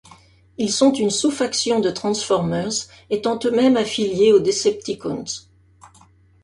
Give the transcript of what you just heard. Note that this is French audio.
Ils sont une sous-faction de Transformers étant eux-mêmes affiliés aux Decepticons.